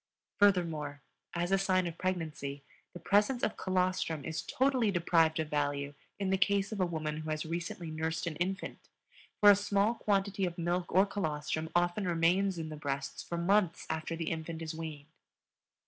Furthermore, as a sign of pregnancy the presence of colostrum is totally deprived of value in the case of a woman who has recently nursed an infant, for a small quantity of milk or colostrum often remains in the breasts for months after the infant is weaned.